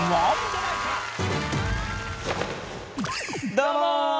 どうも！